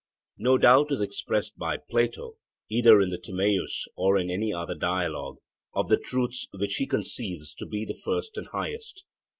No doubt is expressed by Plato, either in the Timaeus or in any other dialogue, of the truths which he conceives to be the first and highest.